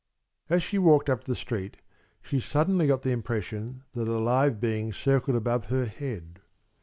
As she walked up the street, she suddenly got the impression that a live being circled above her head.